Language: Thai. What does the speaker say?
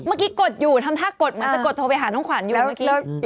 กดอยู่ทำท่ากดเหมือนจะกดโทรไปหาน้องขวัญอยู่เมื่อกี้